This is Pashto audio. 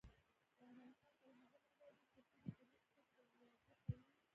افغانستان تر هغو نه ابادیږي، ترڅو د کورنۍ اقتصادي بنیادي قوي نشي.